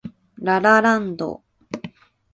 ラ・ラ・ランド